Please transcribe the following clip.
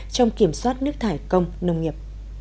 trong kiểm soát nước thải công nông nghiệp